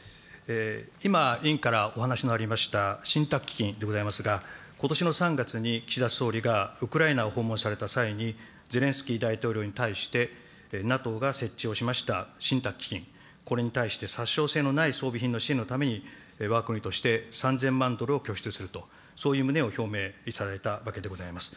今、委員からお話のありました、信託基金でございますが、ことしの３月に岸田総理がウクライナを訪問された際に、ゼレンスキー大統領に対して、ＮＡＴＯが設置をしました信託基金、これに対して殺傷性のない装備品の支援のためにわが国として３０００万ドルを拠出すると、そういう旨を表明されたわけでございます。